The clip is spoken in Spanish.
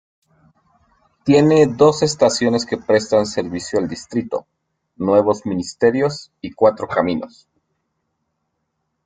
Tiene dos estaciones que prestan servicio al distrito: Nuevos Ministerios y Cuatro Caminos.